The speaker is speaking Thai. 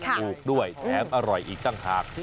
ถูกด้วยแถมอร่อยอีกต่างหาก